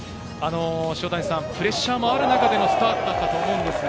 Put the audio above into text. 塩谷さん、プレッシャーもある中でのスタートだったと思うんですが。